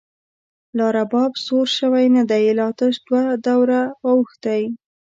لا رباب سور شوۍ ندۍ، لا تش دوه دوره اوښتۍ